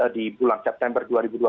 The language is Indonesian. di bulan september dua ribu dua puluh